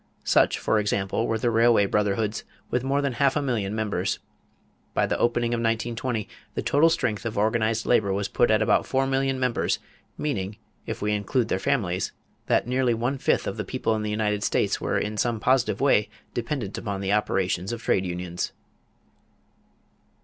Such, for example, were the Railway Brotherhoods with more than half a million members. By the opening of 1920 the total strength of organized labor was put at about 4,000,000 members, meaning, if we include their families, that nearly one fifth of the people of the United States were in some positive way dependent upon the operations of trade unions.